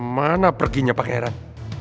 mana perginya pangeran